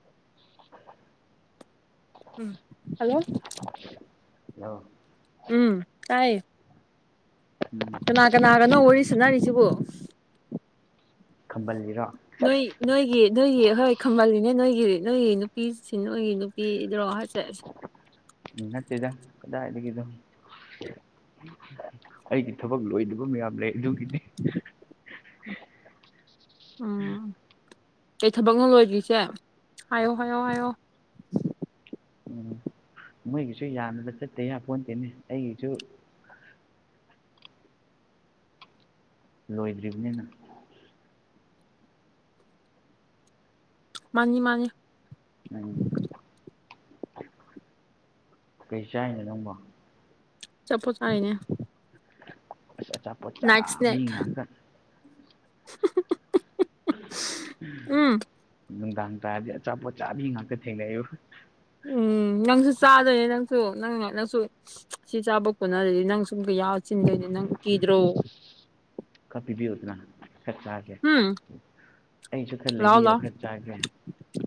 [inaudible] ꯎꯝ hello hello ꯎꯝ ꯇꯥꯏ ꯎꯝ ꯀꯅꯥ ꯀꯅꯥꯒꯅꯣ ꯋꯥꯔꯤ ꯁꯨꯅꯔꯤꯁꯤꯕꯣ ꯈꯝꯕꯜꯂꯤꯔꯣ ꯅꯣꯏ ꯁꯁ ꯅꯣꯏꯒꯤ ꯅꯣꯏꯒꯤ ꯍꯣꯏ ꯈꯝꯃꯜꯂꯤꯅꯦ ꯅꯣꯏꯒꯤ ꯅꯣꯏꯒꯤ ꯅꯨꯄꯤꯁꯤ ꯅꯣꯏꯒꯤ ꯅꯨꯄꯤꯗ꯭ꯔꯣ ꯍꯥꯏꯁꯦ ꯅꯠꯇꯦꯗ ꯀꯗꯥꯏꯗꯩꯅꯣ ꯑꯩꯒꯤ ꯊꯕꯛ ꯂꯣꯏꯗꯕ ꯃꯌꯥꯝ ꯂꯩ ꯑꯗꯨꯒꯤꯅꯦ [inaudible] ꯎꯝ ꯀꯩ ꯊꯕꯛꯅꯣ ꯂꯣꯏꯗ꯭ꯔꯤꯁꯦ ꯍꯥꯏꯌꯣ ꯍꯥꯏꯌꯣ ꯍꯥꯏꯌꯣ ꯎꯝ ꯃꯣꯏꯒꯤꯁꯨ ꯌꯥꯅꯗ ꯆꯠꯇ ꯌꯥꯄꯣꯟꯇꯦꯅꯦ ꯑꯩꯒꯤꯁꯨ ꯂꯣꯏꯗ꯭ꯔꯤꯅꯤꯅ ꯃꯥꯅꯤ ꯃꯥꯅꯤ ꯎꯝ ꯀꯩ ꯆꯥꯏꯅꯣ ꯅꯪꯕꯣ ꯑꯆꯥꯄꯣꯠ ꯆꯥꯏꯅꯦ ꯑꯁ ꯑꯆꯥꯄꯣꯠ ꯆꯥ ꯃꯤ ꯉꯥꯛꯇ [unintelligible] ꯎꯝ ꯅꯨꯡꯗꯥꯡ ꯇꯥꯔꯗꯤ ꯑꯆꯥꯄꯣꯠꯆꯥꯕꯤ ꯉꯥꯛꯇ ꯊꯦꯡꯅꯩꯕ ꯎꯝ ꯅꯪꯁꯨ ꯆꯥꯗꯣꯏꯅꯦ ꯅꯪꯁꯨ ꯅꯪ ꯅꯪꯁꯨ ꯁꯤ ꯆꯥꯕ ꯀꯣꯟꯅꯗꯔꯗꯤ ꯅꯪ ꯁꯨ ꯑꯃꯨꯛꯀ ꯌꯥꯎ ꯆꯤꯟꯗꯣꯏꯅꯦ ꯅꯪ ꯀꯤꯗ꯭ꯔꯣ꯫ ꯈꯔ ꯄꯤꯕꯤꯌꯨꯗꯅ ꯈꯔ ꯆꯥꯒꯦ ꯎꯝ ꯑꯩꯁꯨ ꯈꯔ ꯂꯥꯎ ꯂꯩꯕꯤꯌꯣ ꯂꯥꯎ ꯈꯔ ꯆꯥꯒꯦ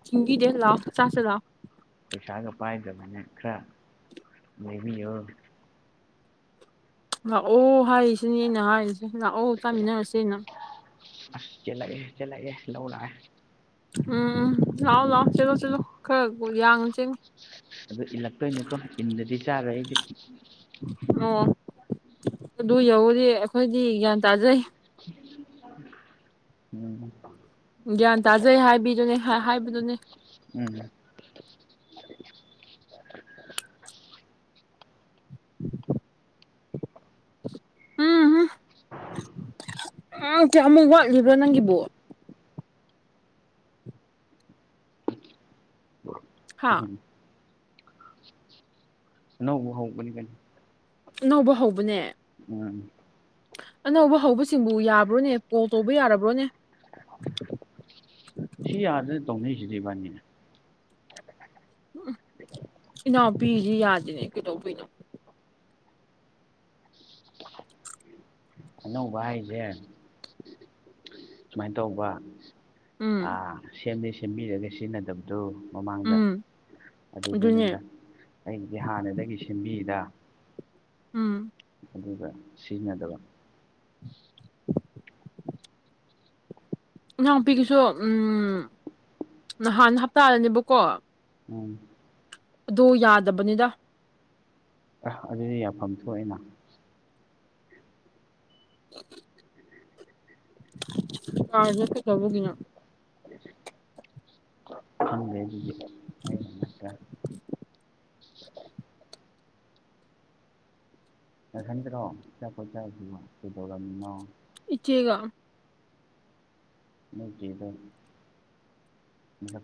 ꯊꯤꯡꯕꯤꯗꯦ ꯂꯥꯎ ꯆꯥꯁꯦ ꯂꯥꯎ꯫ ꯄꯩꯁꯥꯅ ꯄꯥꯏꯗꯕꯅ ꯈꯔ ꯂꯩꯕꯤꯌꯣ ꯂꯥꯛꯑꯣ ꯍꯥꯏꯔꯤꯁꯤꯅꯦ ꯑꯩꯅ ꯍꯥꯏꯔꯤꯁꯦ ꯂꯥꯛꯑꯣ ꯇꯥꯃꯤꯟꯅꯔꯁꯦ ꯑꯩꯅ ꯆꯦꯜꯂꯛꯑꯦ ꯆꯦꯜꯂꯛꯑꯦ ꯂꯧ ꯂꯛꯑꯦ꯫ ꯎꯝ ꯂꯥꯛꯑꯣ ꯂꯥꯛꯑꯣ ꯆꯤꯂꯣ ꯆꯤꯂꯣ ꯈꯔ ꯌꯥꯡꯉꯨ ꯆꯦꯡꯉꯨ ꯑꯗꯨ ꯏꯜꯂꯛꯇꯣꯏꯅꯦꯀꯣ ꯏꯟꯗꯗꯤ ꯆꯥꯔꯣꯏ ꯑꯩꯗꯤ ꯑꯣ ꯑꯗꯨ ꯌꯧꯔꯗꯤ ꯑꯩꯈꯣꯏꯗꯤ ꯒ꯭ꯌꯥꯟ ꯇꯥꯖꯩ꯫ [inaudible] ꯎꯝ ꯒ꯭ꯌꯥꯟ ꯇꯥꯖꯩ ꯍꯥꯏꯕꯤꯗꯨꯅꯦ ꯍꯥꯏꯕꯗꯨꯅꯦ꯫ ꯎꯝ ꯎꯝ ꯀꯌꯥꯃꯨꯛ ꯋꯥꯠꯂꯤꯕ꯭ꯔꯣ ꯅꯪꯒꯤꯕꯨ ꯍꯥ ꯎꯝ ꯑꯅꯧꯕ ꯍꯧꯕꯅꯤꯀꯩꯅꫭ ꯑꯅꯧꯕ ꯍꯧꯕꯅꯦ꯫ ꯎꯝ ꯑꯅꯧꯕ ꯍꯧꯕꯁꯤꯡꯕꯨ ꯌꯥꯕ꯭ꯔꯣꯅꯦ ꯀꯣꯜ ꯇꯧꯕ ꯌꯥꯔꯕ꯭ꯔꯣꯅꯦ ꯁꯤ ꯑꯥꯔꯗ ꯇꯧꯅꯩꯁꯤꯖꯤꯗꯩꯕꯥꯅꯤ ꯎꯝ ꯏꯅꯥꯎꯄꯤꯁꯤ ꯌꯥꯗꯦꯅꯦ ꯀꯩꯗꯧꯕꯩꯅꯣ ꯑꯅꯧꯕ ꯍꯥꯏꯁꯦ ꯁꯨꯃꯥꯏꯅ ꯇꯧꯕ ꯎꯝ ꯑꯥ ꯁꯦꯝꯕꯤ ꯁꯦꯝꯕꯤꯔꯒ ꯁꯤꯖꯤꯟꯅꯗꯕ ꯑꯗꯨ ꯃꯃꯥꯡꯗ ꯎꯝ ꯑꯗꯨꯅꯦ ꯑꯗꯨꯗꯅꯤꯗꯥ ꯑꯩꯒꯤꯁꯦ ꯍꯥꯟꯅꯗꯒꯤ ꯁꯦꯝꯕꯤꯗ ꯎꯝ ꯑꯗꯨꯒ ꯁꯤꯖꯤꯟꯅꯗꯕ ꯏꯅꯥꯎꯎꯄꯤꯒꯤꯁꯨ ꯅꯍꯥꯟ ꯍꯞꯇꯥꯗꯅꯦꯕꯀꯣ ꯃꯅꯤ ꯑꯗꯨ ꯌꯥꯗꯕꯅꯤꯗ ꯑ ꯑꯗꯨꯗꯤ ꯌꯥꯐꯝ ꯊꯣꯛ ꯑꯦꯅ [unintelligible] ꯀꯥꯔꯁꯦ ꯀꯩꯗꯧꯕꯒꯤꯅꯣ ꯈꯪꯗꯦ ꯑꯗꯨꯗꯤ ꯑꯩꯅ ꯅꯠꯇꯦ ꯅꯊꯥꯟꯇꯔꫭ ꯑꯆꯥꯄꯣꯠ ꯆꯥꯏꯗꯨꯕꯨ ꯀꯩꯗꯧꯔꯃꯤꯅꯣ ꯏꯆꯦꯒ ꯃꯒꯤꯕꯣ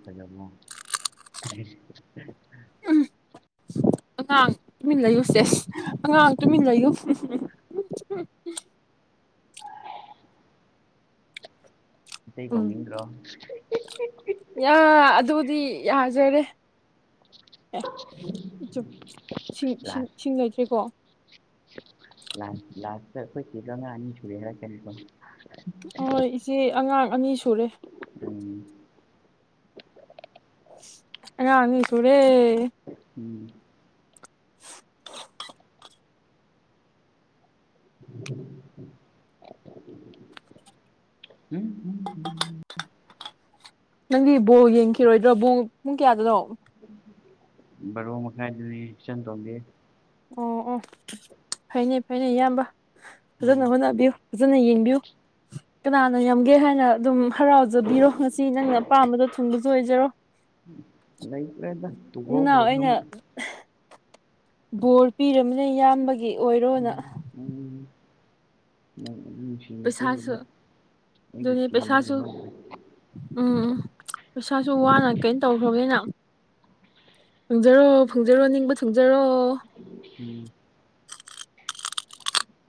ꯄꯖꯕ ꯎꯝ ꯑꯉꯥꯡ ꯇꯨꯃꯤꯟ ꯂꯩꯌꯨ ꯁꯦꯁ ꯑꯉꯥꯡ ꯇꯨꯃꯤꯟ ꯂꯩꯌꯨ ꯏꯇꯩ ꯎꯝ ꯀꯧꯅꯤꯡꯗꯔꯣ ꯌꯥ ꯑꯗꯨꯗꯤ ꯌꯥꯖꯔꯦ ꯨ ꯏꯁꯤꯡꯁꯤꯡ ꯂꯥꯁ ꯁꯤꯡ ꯂꯩꯇ꯭ꯔꯦꯀꯣ ꯂꯥꯁ ꯂꯥꯁꯇ ꯑꯩꯈꯣꯏ ꯆꯦꯗꯣ ꯑꯉꯥꯡ ꯑꯅꯤ ꯁꯨꯔꯦ ꯍꯥꯏꯔꯛꯀꯅꯤꯀꯣ ꯑꯣ ꯏꯆꯦ ꯑꯉꯥꯡ ꯑꯅꯤ ꯁꯨꯔꯦ ꯎꯝ ꯉꯅꯤꯁꯨꯨꯔꯦ ꯎꯝ ꯎꯝꯝ ꯅꯪꯗꯤ ꯕꯣ ꯌꯦꯡꯈꯤꯔꯣꯏꯗ꯭ꯔꯣ ꯕꯣ ꯄꯨꯡ ꯀꯌꯥꯗꯨꯅꯣ UNINTELLIGIBLE ꯕꯥꯔꯣ ꯃꯈꯥꯏꯗꯥꯅꯤ ꯏꯆꯟꯇꫭꯝꯕꯤ ꯑꯣ ꯑꯣ ꯐꯅꯦ ꯐꯅꯦ ꯏꯌꯥꯝꯕ ꯎꯝ ꯐꯖꯅ ꯍꯣꯠꯅꯕꯤꯌꯨ ꯐꯖꯅ ꯌꯦꯡꯕꯤꯌꯨ ꯀꯅꯥꯅ ꯌꯥꯝꯝꯒꯦ ꯍꯥꯏꯅ ꯑꯗꯨꯝ ꯍꯔꯥꯎꯖꯕꯤꯔꯣ ꯉꯁꯤ ꯅꯪꯅ ꯑꯄꯥꯝꯕꯗꯣ ꯊꯨꯡꯕꯁꯨ ꯑꯣꯏꯖꯔꯣ ꯂꯩꯇ꯭ꯔꯦꯗ ꯅꯅꯥꯎ ꯇꯨꯍꯧꯈ꯭ꯔꯕ ꯗꯨꯝ ꯑꯩꯅ ꯕꯣꯔ ꯄꯤꯔꯕꯅ ꯏꯌꯥꯝꯕꯒꯤ ꯑꯣꯏꯔꯣꯅ ꯎꯝ ꯎꯝ ꯁꯤꯡ ꯄꯩꯁꯥꯁꯨ ꯅꯨ ꯑꯗꯨꯅꯤ ꯄ ꯄꯩꯁꯥꯁꯨ ꯑꯩꯒꯤ ꯎꯝ ꯎꯝ ꯄꯩꯁꯥꯁꯨ ꯋꯥꯅ ꯀꯩꯅꯣ ꯇꯧꯈ꯭ꯔꯒꯦꯅ ꯐꯪꯖꯔꯣ ꯐꯪꯖꯔꯣ ꯅꯤꯡꯕ ꯊꯨꯡꯖꯔꯣ ꯎꯝ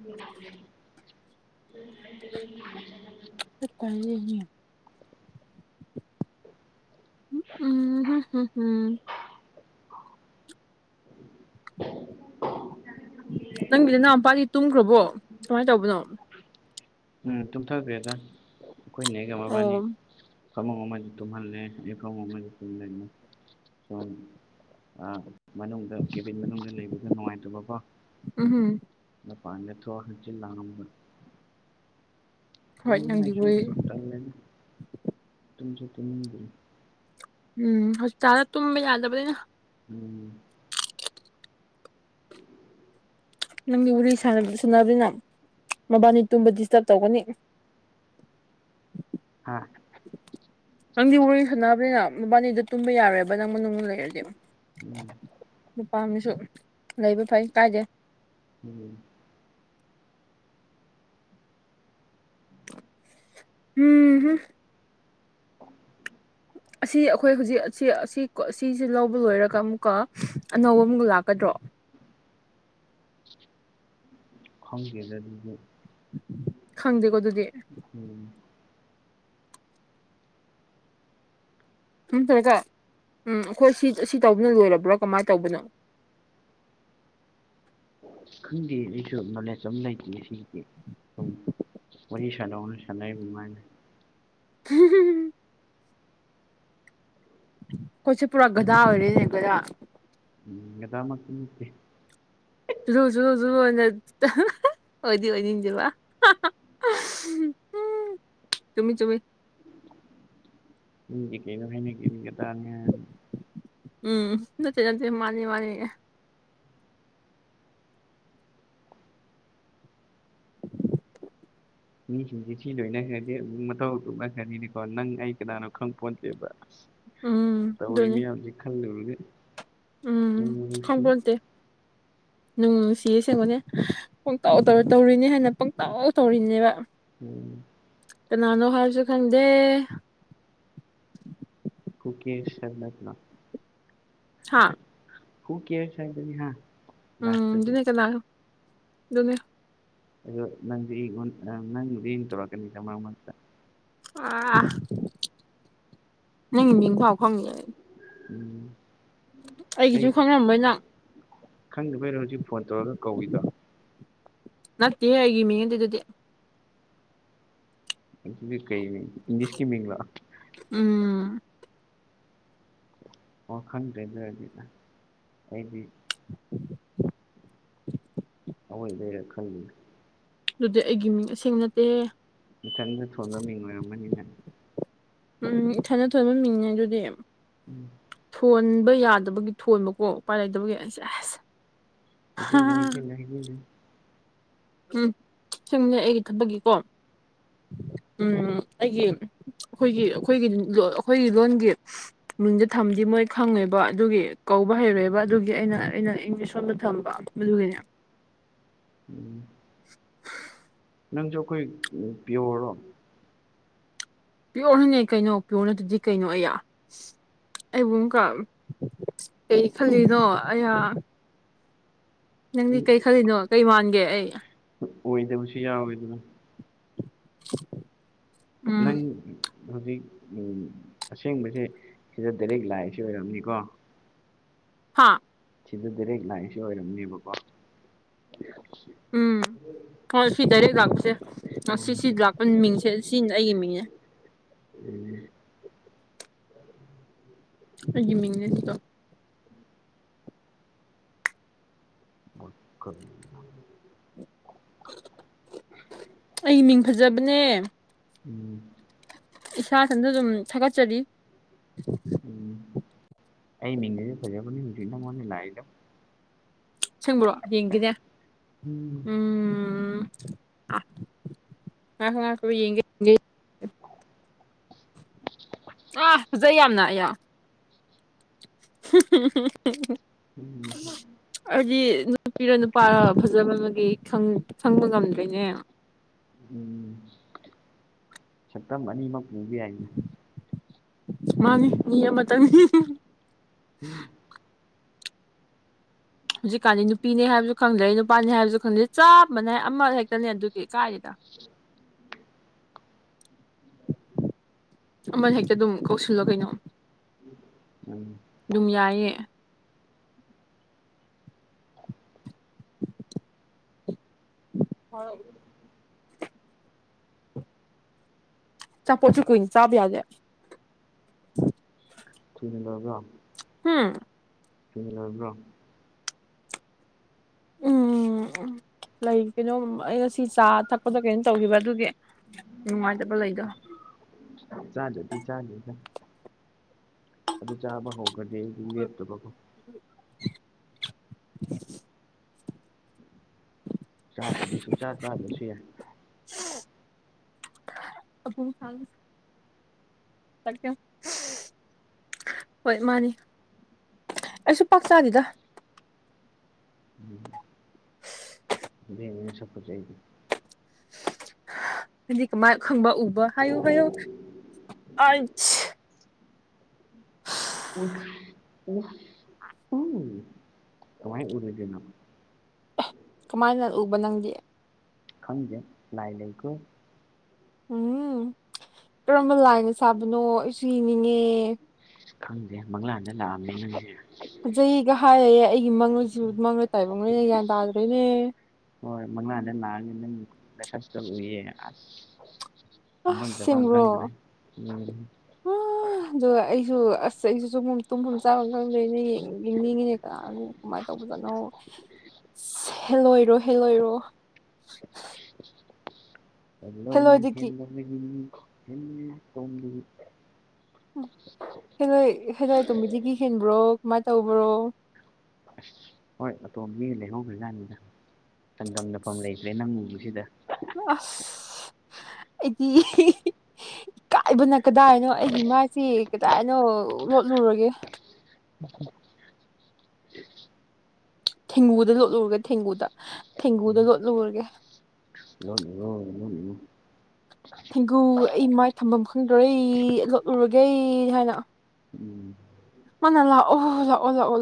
ꯎꯝ [inaudible] ꯀꯔꯤꯒꯤ ꯎꯝꯝ ꯍꯝ ꯅꯪꯗꯤ ꯅꯪ ꯃꯄꯥꯗꯤ ꯇꯨꯝꯈ꯭ꯔꯕꯣ ꯀꯃꯥꯏꯅ ꯇꯧꯕꯅꯣ ꯎꯝ ꯇꯨꯝꯊꯈ꯭ꯔꯦꯗ ꯑꯩꯈꯣꯏꯅꯦꯒ ꯃꯕꯥꯅꯤ ꯑꯣ ꯐꯃꯨꯡ ꯑꯃꯁꯨ ꯇꯨꯝꯍꯜꯂꯦ ꯑꯩ ꯐꯃꯨꯡ ꯑꯃꯁꯨ ꯇꯨꯝ ꯂꯩꯅꯤ ꯃꯅꯨꯡꯗ ꯀꯦꯕꯤꯟ ꯃꯅꯨꯡꯗ ꯂꯩꯕꯗꯣ ꯅꯨꯡꯉꯥꯏꯇꯕꯀꯣ ꯎꯝ ꯍꯝ ꯃꯄꯥꯟꯗ ꯊꯣꯛꯑꯒ ꯍꯪꯆꯤꯠ ꯂꯥꯡꯉꯝꯕꯅꯤ ꯍꯣꯏ ꯅꯪꯗꯤ ꯇꯨꯝꯕꯁꯨ ꯋꯥꯔꯤ ꯇꯜꯂꯦꯗ ꯇꯨꯝꯁꯨ ꯇꯨꯝꯅꯤꯡꯗꯦ ꯎꯝ ꯍꯧꯖꯤꯛꯀꯥꯟ ꯇꯨꯝꯕ ꯌꯥꯗꯕꯅꯤꯅ ꯎꯝ ꯅꯪꯒꯤ ꯋꯥꯔꯤ ꯁꯥꯅꯕꯅꯤꯅ ꯃꯕꯥꯅꯤ ꯇꯨꯝꯕ ꯗꯤꯁꯇꯔꯕ ꯇꯧꯒꯅꯤ ꯑꯥ ꯅꯪꯗꯤ ꯋꯥꯔꯤ ꯁꯅꯕꯅꯤꯅ ꯃꯕꯥꯅꯤꯗ ꯇꯨꯝꯕ ꯌꯥꯔꯣꯏꯕ ꯅꯪ ꯃꯅꯨꯡꯗ ꯂꯩꯔꯗꯤ ꯎꯝ ꯃꯄꯥꯟꯗꯁꯨ ꯂꯩꯕ ꯐꯩ ꯀꯥꯏꯗꯦ ꯎꯝ ꯎꯝꯝ ꯑꯁꯤ ꯑꯩꯈꯣꯏ ꯍꯧꯖꯤꯛ ꯑꯁꯤ ꯑꯁꯤ ꯁꯤꯁꯦ ꯂꯧꯕ ꯂꯣꯏꯔꯒ ꯑꯃꯨꯛꯀ ꯑꯅꯧꯕ ꯑꯃꯨꯛꯀ ꯂꯥꯛꯀꯗ꯭ꯔꯣ ꯈꯪꯗꯦꯗ ꯑꯗꯨꯗꯤ ꯈꯪꯗꯦꯀꯣ ꯑꯗꯨꯗꯤ ꯎꯝ ꯎꯝ ꯅꯠꯇꯔ꯭ꯥ ꯒ ꯎꯝ ꯑꯩꯈꯣꯏ ꯁꯤ ꯑꯁꯤ ꯇꯧꯕꯅꯣ ꯂꯣꯏꯔꯕ꯭ꯔꯥ ꯀꯃꯥꯏꯅ ꯇꯧꯕꯅꯣ ꯈꯪꯗꯦ ꯑꯩꯁꯨ ꯅꯣꯂꯦꯖ ꯑꯃꯇ ꯂꯩꯇꯦ ꯁꯤꯖꯤꯒꯤ ꯋꯥꯔꯤ ꯁꯥꯟꯅꯧꯅ ꯁꯥꯟꯅꯔꯤꯕꯃꯥꯏꯅ ꯑꯩꯈꯣꯏꯁꯦ ꯈꯣꯏꯁꯦ ꯄꯨꯔꯥ ꯒꯗꯥꯥ ꯑꯣꯏꯔꯦꯅꯦ ꯒꯗꯥꯥ ꯒꯗꯥ ꯃꯛꯇꯤ ꯅꯠꯇꯦ ꯂꯨ ꯨ ꯖꯨꯅ ꯑꯣꯏꯗꯤ ꯑꯣꯏꯅꯤꯡꯁꯦꯕ ꯆꯨꯝꯃꯤ ꯆꯨꯝꯃꯤ ꯀꯩꯩꯅ ꯐꯅ ꯀꯦ ꯇ ꯎꯝ ꯅꯠꯇꯦ ꯅꯠꯇꯦ ꯃꯥꯅꯤ ꯃꯥꯅꯤ ꯃꯤꯁꯤꯡꯁꯦ ꯁꯤ ꯂꯣꯏꯅ ꯈ꯭ꯔꯗꯤ ꯃꯇꯧ ꯑꯧꯅ ꯈꯔꯤꯗꯤꯀꯣ ꯅꯪ ꯑꯩ ꯀꯅꯥꯅꯣ ꯈꯪ ꯄꯣꯠꯇꯦꯕ ꯎꯝ ꯑꯗꯨꯅꯤ ꯇꯧꯔꯤꯃꯤꯌꯥꯝꯖꯤ ꯈꯜꯂ ꯎꯔꯦ ꯎꯝ ꯈꯪꯕꯣꯟꯗꯦ ꯅꯨꯡ ꯅꯨꯡꯁꯤꯌꯦ ꯁꯦꯝꯦꯡꯕꯅꯦ ꯄꯪꯇꯥꯎꯧ ꯎꯝ ꯇꯧꯔꯤꯅꯦ ꯍꯥꯏꯅ ꯄꯪꯇꯥꯎ ꯇꯧꯔꯤꯅꯦꯕ ꯎꯝ ꯀꯅꯥꯅꯣ ꯍꯥꯏꯔꯁꯨ ꯈꯪꯗꯦ ꯐꯨꯀꯤ ꯅꯅ ꯍꯥ ꯍꯨ ꯀꯦꯔ ꯁꯥ ꯑꯗꯨꯅꯤ ꯍꯥ ꯎꯝ ꯂꯥꯁꯇꯗꯤ ꯗꯨꯅꯦ ꯀꯅꯥ ꯑꯗꯨꯅꯦ ꯑꯗꯣ ꯅꯪꯗꯤ ꯑꯩꯉꯣꯟꯗ ꯅꯪꯗꯤ ꯌꯦꯡ ꯇꯧꯔꯛꯀꯅꯤꯗ ꯃꯔꯛ ꯃꯔꯛꯇ ꯑꯥ ꯅꯪ ꯃꯤꯡꯐꯥꯎ ꯈꯪꯗꯦ ꯎꯝ ꯑꯩꯒꯤꯁꯨ ꯈꯪꯉꯔꯝꯕꯣꯏꯅ ꯈꯪꯗꯦꯕꯩ ꯔꯣꯜꯖꯤꯛ ꯐꯣꯟ ꯇꯧꯔꯒ ꯀꯧꯏꯗꯣ ꯅꯠꯇꯦ ꯍꯥꯏꯒꯤꯃꯤ ꯌꯦꯡ ꯇ ꯑꯗꯨꯗꯤ ꯀꯩ ꯃꯤ ꯏꯪꯂꯤꯁꯀꯤ ꯃꯤꯥ ꯎꯝ ꯋꯥ ꯈꯪꯗ꯭ꯔꯦꯗ ꯍꯥꯏꯗꯤꯗ ꯑꯩꯗꯤ ꯑꯣꯏ ꯂꯩ ꯈꯪ ꯑꯗꯨꯗꯤ ꯑꯩꯒꯤ ꯃꯤꯡ ꯑꯁꯦꯡ ꯅꯠꯇꯦ ꯏꯊꯟꯗ ꯊꯣꯟꯕ ꯃꯤꯡ ꯑꯣꯏꯔꯝꯝꯕꯅꯤꯅꯪ ꯎꯝ ꯏꯊꯅ ꯊꯣꯏꯕ ꯃꯤꯡꯅꯦ ꯑꯗꯨꯗꯤ ꯎꯝ ꯊꯣꯟꯕ ꯌꯥꯗꯕꯒꯤ ꯊꯣꯟꯕꯀꯣ ꯎꯄꯥꯏ ꯂꯩꯇꯕꯒꯤ ꯑꯁ ꯑꯁ ꯍꯥꯏꯅ ꯍꯒꯅ ꯍꯥꯏꯒ ꯎꯝ ꯁꯨꯝ ꯂꯩ ꯑꯩꯒꯤ ꯊꯕꯛꯒꯤꯀꯣ ꯎꯝ ꯑꯩꯒꯤ ꯑꯩꯈꯣꯏꯒꯤ ꯑꯩꯈꯣꯏꯒꯤ ꯑꯩꯈꯣꯏꯒꯤ ꯂꯣꯟꯒꯤ ꯃꯤꯡꯁ ꯊꯝꯗꯤ ꯃꯣꯏ ꯈꯪꯉꯦꯕ ꯑꯗꯨꯒꯤ ꯀꯧꯕ ꯍꯩꯔꯣꯏꯦꯕ ꯑꯗꯨꯒꯤ ꯑꯩꯅ ꯑꯩꯅ ꯏꯪꯂꯤꯁ ꯂꯣꯝꯗ ꯊꯝꯕ ꯃꯗꯨ ꯃꯩꯅ ꯎꯝ ꯅꯪꯁꯨꯈꯣꯏ ꯄꯤꯌꯣꯔꯔꯣ ꯄꯤꯌꯣꯔ ꯍꯅꯦ ꯀꯩꯅꯣ ꯄꯤꯌꯣꯔꯅ ꯑꯗꯨꯗꯤ ꯀꯩꯅꯣ ꯑꯩꯌꯥ ꯑꯩꯕꯨ ꯑꯃꯨꯛꯀ ꯀꯩ ꯈꯜꯂꯤꯅꯣ ꯑꯩꯍꯥꯛ ꯅꯪꯗꯤ ꯀꯔꯤ ꯈꯜꯂꯤꯅꯣ ꯀꯩ ꯃꯥꯟꯒꯦ ꯑꯩ ꯑꯣꯏꯗꯕꯁꯨ ꯌꯥꯎꯋꯦꯗꯅ [unintelligible] ꯅꯪ ꯍꯧꯖꯤꯛ ꯑꯁꯦꯡꯕꯁꯦ ꯁꯤꯗ ꯗꯥꯏꯔꯦꯛ ꯂꯥꯏꯁ ꯑꯣꯏꯔꯝꯅꯤꯀꯣ ꯍꯥꯥ ꯁꯤꯗꯗꯤꯔ ꯂꯁꯨ ꯑꯣꯏꯔꯅꯤꯄ ꯎꯝ ꯍꯣꯏ ꯁꯤ ꯗꯥꯏꯔꯦꯛ ꯂꯥꯛꯄꯁꯦ ꯁꯤ ꯁꯤ ꯂꯥꯛꯄ ꯃꯤꯡꯁꯦ ꯁꯤꯅꯤ ꯑꯩꯒꯤ ꯃꯤꯡꯅꯦ ꯎꯝ ꯑꯩꯒꯤ ꯃꯤꯡꯅꯦ ꯁꯤꯀꯣ [inaudible] ꯑꯩ ꯃꯤꯡ ꯐꯖꯕꯅꯦ ꯎꯝ ꯏꯁꯥ ꯁꯟꯗ ꯑꯗꯨꯝ ꯊꯥꯒꯠꯆꯔꯤ ꯎꯝ ꯑꯩ ꯃꯤꯡꯦ ꯐꯖꯥꯅꯤ ꯎꯤꯗ ꯃꯥꯅ ꯂꯥꯛꯗ ꯁꯪꯕ꯭ꯔꯣ ꯌꯦꯡꯈꯤꯅꯦꯦ ꯎꯝ ꯎꯝ ꯑ ꯀ ꯌꯦ ꯑꯥ ꯐꯖꯩ ꯌꯥꯝꯅ ꯑꯌꯥ ꯎꯝ ꯍꯥꯏꯗꯤ ꯅꯨꯄꯤꯔꯣ ꯅꯨꯄꯥꯔꯣ ꯐꯖꯕ ꯈꯪꯕ ꯉꯝꯗꯣꯏꯅꯦ ꯆ꯭ꯔꯝ ꯃꯅꯤꯃꯛ ꯃꯕꯤ ꯑꯏ ꯃꯥꯅꯤ ꯃꯤ ꯑꯃꯇꯅꯤ ꯎꯝ ꯍꯧꯖꯤꯛꯀꯥꯟꯗꯤ ꯅꯨꯄꯤꯅꯦ ꯍꯥꯏꯕꯁꯨ ꯈꯪꯗ꯭ꯔꯦ ꯅꯨꯄꯥꯅꯤ ꯍꯥꯏꯕꯁꯨ ꯈꯪꯗ꯭ꯔꯦ ꯆꯥꯝꯃꯅꯦ ꯍꯥꯏ ꯑꯃ ꯍꯦꯛꯇꯅꯦ ꯑꯗꯨꯒꯤ ꯀꯥꯏꯔꯤꯗ ꯑꯃꯜ ꯍꯦꯛꯇ ꯑꯗꯨꯝ ꯀꯧꯁꯤꯜꯂꯣ ꯀꯩꯅꯣ ꯎꯝ ꯑꯗꯨꯝ ꯌꯥꯏꯌꯦ [inaudible] ꯆꯞꯄꯣꯠꯁꯨ ꯀꯨꯏꯅ ꯆꯥꯕ ꯌꯥꯗꯦ [unintelligible] ꯍꯨꯝ ꯀꯕ꯭ꯔꯣ ꯎꯝ ꯂꯩ ꯀꯩꯅꯣꯝ ꯑꯩꯅ ꯁꯤ ꯆꯥ ꯊꯛꯄꯗꯣ ꯀꯩꯅꯣ ꯇꯧꯈꯤꯕ ꯑꯗꯨꯒꯤ ꯅꯨꯡꯉꯥꯏꯖꯕ ꯂꯩꯗꯣ ꯆꯂꯗꯤ ꯆꯥꯗ ꯑꯗꯨ ꯆꯥꯕ ꯍꯧꯒ꯭ꯔꯅꯤ ꯑꯩ ꯑꯗꯨ ꯂꯦꯞꯇꯕꯀꯣ [unintelligible] ꯆꯥꯗꯗꯤꯁꯨ ꯆꯥ ꯆꯥꯕꯁꯨ ꯌꯥꯏ ꯎ ꯑ ꯐ ꯆ ꯍꯣꯏ ꯃꯥꯅꯤ ꯑꯩꯁꯨ ꯄꯥꯛꯆꯥꯥꯗꯤꯗ ꯎꯝ ꯚ ꯃꯤ ꯁꯛꯄ ꯆꯩ ꯍꯥꯏꯗꯤ ꯀꯃꯥꯏ ꯈꯪꯕ ꯎꯕ ꯍꯥꯏꯌꯨ ꯍꯥꯏꯌꯨ ꯑ ꯎ ꯇꯃꯥꯏ ꯎꯔꯗꯅꯣ ꯀꯃꯥꯏꯅ ꯎꯕ ꯅꯪꯗꯤ ꯈꯪꯖ ꯂꯥꯏ ꯂꯩꯈ ꯎꯝ ꯀꯔꯝꯕ ꯂꯥꯏꯅ ꯁꯥꯕꯅꯣ ꯑꯩꯁꯨ ꯏꯅꯤꯡꯉꯦ ꯈꯪꯗꯦ ꯃꯪꯂꯥꯟꯗ ꯂꯥꯛꯑꯝꯅꯤꯪꯁꯦ ꯐꯖꯩꯒ ꯍꯥꯏꯔꯌꯦꯦ ꯑꯩꯒꯤ ꯃꯪꯣꯏꯁꯨ ꯃꯪꯣꯏ ꯇꯥꯏꯕꯪꯈꯣꯏꯅꯦ ꯒ꯭ꯌꯥꯟ ꯇꯥꯗ꯭ꯔꯣꯏꯅꯦ ꯍꯣꯏ ꯃꯪ ꯑꯗ ꯂꯁꯥꯁ ꯂꯏ ꯑꯁ ꯏꯃ ꯆꯄꯪ꯭ꯔꯦ ꯎ ꯑꯗ ꯑꯩꯁꯨ ꯑꯁ ꯑꯩꯁꯨ ꯁ ꯇꯨꯝꯐꯝꯨꯝ ꯆꯥꯕ ꯈꯪꯗꯣꯏꯩꯅ ꯌꯦꯡꯅꯤꯡꯉꯤꯅꯦꯀꯣ ꯑꯗꯨ ꯀꯃꯥꯏꯅ ꯇꯧꯕꯖꯠꯅꯣ ꯍꯦꯜꯂꯣꯏꯔꯣ ꯍꯦꯜꯂꯣꯏꯔꯣ ꯍ ꯂꯣꯏꯅꯤ ꯍꯦꯜꯂꯣꯏꯗꯒꯤ ꯍꯦꯜꯂ ꯂꯩ ꯏꯅꯤ ꯍꯦꯟꯅ ꯇꯣꯡ ꯎ ꯍꯦꯜꯂꯣꯏ ꯍꯦꯜꯂꯣꯏꯇꯣꯝꯕꯤꯗꯤ ꯀꯤ ꯍꯦꯟꯕ꯭ꯔꯣ ꯀꯃꯥꯏꯅ ꯇꯧꯕ꯭ꯔꯣ ꯍꯣꯏ ꯑꯇꯣꯝ ꯃꯤꯅ ꯂꯩꯍꯧꯈ꯭ꯔ ꯀꯥꯟꯅꯤꯗ ꯆꯥꯡꯗꯝꯝꯅꯐꯝ ꯂꯩꯇ꯭ꯔꯦ ꯅꯪ ꯎꯕꯁꯤꯗ ꯑꯁ ꯑꯩꯗꯤ ꯏ ꯀꯥꯏꯕꯅ ꯀꯗꯥꯏꯅꯣ ꯑꯩꯒꯤ ꯃꯥꯏꯁꯤꯦ ꯀꯗꯥꯏꯅꯣ ꯂꯣꯠꯂꯨꯔꯒꯦ ꯊꯦꯡꯒꯨꯗ ꯂꯣꯠꯂꯨꯔꯒꯦ ꯊꯦꯡꯒꯨꯗ ꯊꯦꯡꯒꯨꯗ ꯎꯝ ꯂꯣꯠꯂꯨꯔꯒꯦ [unintelligible] ꯊꯦꯡꯒꯨ ꯑꯩ ꯃꯥꯏ ꯊꯝꯐꯝ ꯈꯪꯗꯣꯔꯦ ꯑꯩ ꯂꯣꯠꯂꯨꯔꯒꯦ ꯍꯥꯏꯅ ꯎꯝ ꯃꯥꯅ ꯂꯥꯛꯑꯣ ꯂꯥꯛꯑꯣ ꯂꯥꯛꯑꯣ ꯂꯑꯣ